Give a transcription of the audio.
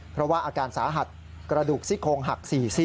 เพราะว่าอาการสาหัสกระดูกซี่โคงหัก๔ซี่